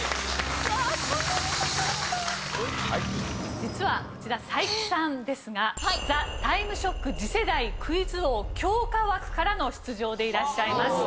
実はこちら才木さんですが『ザ・タイムショック』次世代クイズ王強化枠からの出場でいらっしゃいます。